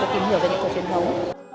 để tìm hiểu về những hệ thống truyền thống